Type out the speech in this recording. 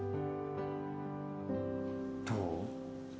どう？